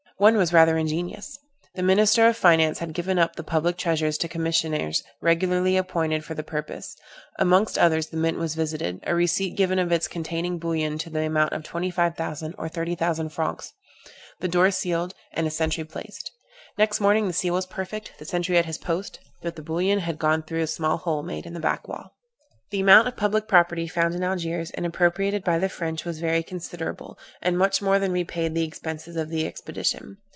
One was rather ingenious. The minister of finance had given up the public treasures to commissioners regularly appointed for the purpose. Amongst others, the mint was visited, a receipt given of its containing bullion to the amount of 25,000 or 30,000 francs, the door sealed, and a sentry placed. Next morning the seal was perfect, the sentry at his post, but the bullion was gone through a small hole made in the back wall. The amount of public property found in Algiers, and appropriated by the French, was very considerable, and much more than repaid the expenses of the expedition.